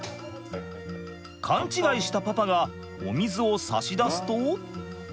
勘違いしたパパがお水を差し出すと。